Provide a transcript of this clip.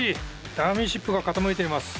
ダミーシップが傾いています。